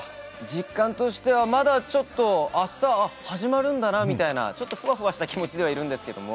実感としては、まだちょっと、あした、あっ、始まるんだなっていうような、ちょっとふわふわした気持ちではいるんですけど。